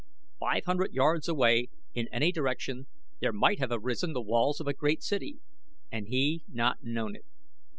Five hundred yards away in any direction there might have arisen the walls of a great city and he not known it.